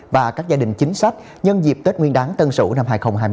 và các gia đình chính sách nhân dịp tết nguyên đáng tân sửu năm hai nghìn hai mươi một